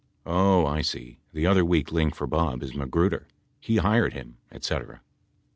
Oh, I see. The other weak link for Bob is Magruder, he hired him et cetera.